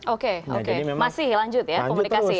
oke masih lanjut ya komunikasi ya